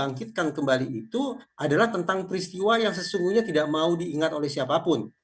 bangkitkan kembali itu adalah tentang peristiwa yang sesungguhnya tidak mau diingat oleh siapapun